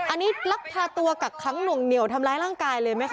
อันนี้ลักพาตัวกักขังหน่วงเหนียวทำร้ายร่างกายเลยไหมคะ